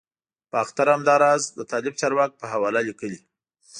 باختر همداراز د طالب چارواکو په حواله لیکلي